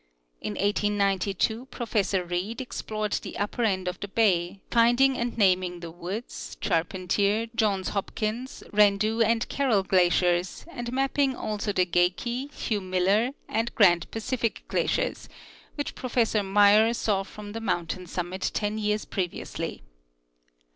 In 1892 Professor Reid explored the upper end of the bay, finding and naming the Woods, Charpentier, Johns' Hopkins, Rendu and Carroll glaciers, and mapping also the Geikie, Hugh Miller and Grand Pacific glaciers, which Professor Muir saw from the mountain summit ten j'ears previously.